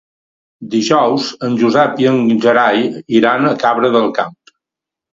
Dijous en Josep i en Gerai iran a Cabra del Camp.